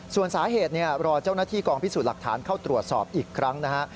ส่วนสาเหตุรอเจ้าหน้าที่กองพิสูจน์หลักฐานเข้าตรวจสอบอีกครั้งนะฮะ